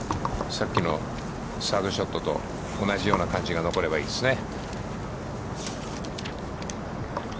さっきのサードショットと同じような感じが残ればいいですね。